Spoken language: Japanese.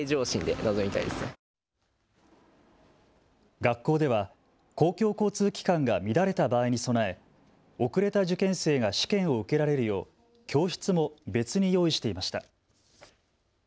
学校では公共交通機関が乱れた場合に備え、遅れた受験生が試験を受けられるよう教室も別に用意していました。